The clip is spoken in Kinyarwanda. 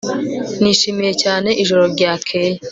Nishimiye cyane ijoro ryakeye